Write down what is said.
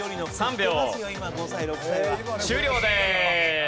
終了です。